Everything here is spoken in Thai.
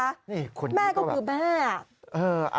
นี่คนนี้ก็แบบแม่ก็คือแม่